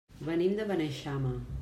Venim de Beneixama.